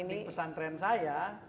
makanya di pesan tren saya